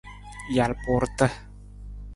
Jalpuurata.